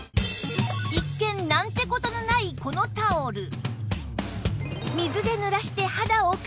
一見なんて事のないこのタオル